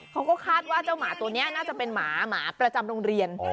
เขาก็คาดว่าเจ้าหมาตัวนี้น่าจะเป็นหมาหมาประจำโรงเรียน